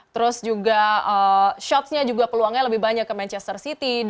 terus juga shotsnya juga peluangnya lebih banyak ke manchester city